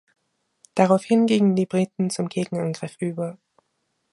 Daraufhin gingen die Briten zum Gegenangriff über.